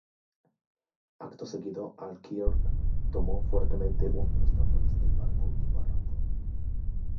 Acto seguido Al-Khidr tomó fuertemente uno de los tablones del barco y lo arrancó.